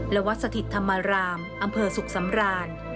และวัดสถิตธรรมรามอำเภอสุขสำราญ